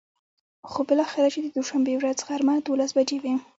خو بلااخره چې د دوشنبې ورځ غرمه ،دولس بچې وې.